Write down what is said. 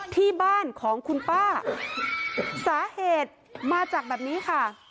ที่บ้านของคุณป้าสาเหตุมาจากแบบนี้ค่ะ